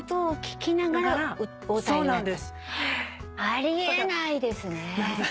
あり得ないですね。